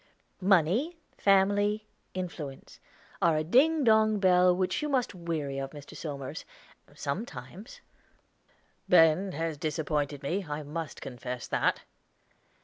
"Money, Family, Influence, are a ding dong bell which you must weary of, Mr. Somers sometimes." "Ben has disappointed me; I must confess that."